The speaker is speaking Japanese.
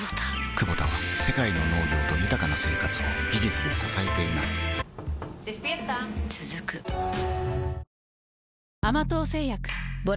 クボタは世界の農業と豊かな生活を技術で支えています起きて。